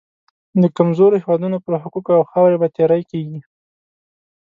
د کمزورو هېوادونو پر حقوقو او خاورې به تیری کېږي.